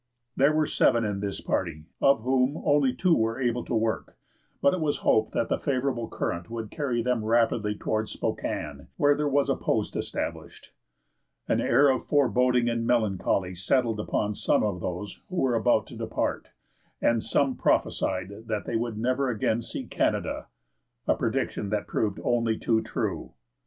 There were seven in this party, of whom only two were able to work, but it was hoped that the favorable current would carry them rapidly towards Spokane, where there was a post established. An air of foreboding and melancholy settled upon some of those who were about to depart, and some prophesied that they would never again see Canada, a prediction that proved only too true.